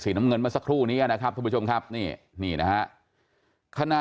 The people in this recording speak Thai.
น้ำเงินเมื่อสักครู่นี้นะครับทุกผู้ชมครับนี่นี่นะฮะขณะ